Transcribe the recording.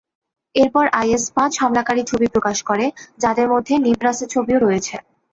এরপর আইএস পাঁচ হামলাকারীর ছবি প্রকাশ করে, যাঁদের মধ্যে নিবরাসের ছবিও রয়েছে।